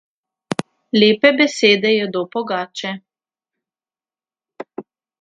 Lepe besede jedo pogače.